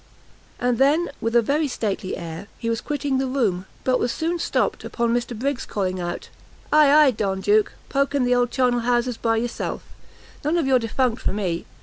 And then, with a very stately air, he was quitting the room; but was soon stopt, upon Mr Briggs calling out "Ay, ay, Don Duke, poke in the old charnel houses by yourself, none of your defunct for me!